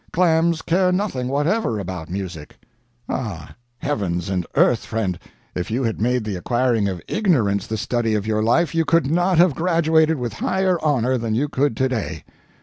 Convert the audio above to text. Clams care nothing whatever about music. Ah, heavens and earth, friend! if you had made the acquiring of ignorance the study of your life, you could not have graduated with higher honor than you could to day.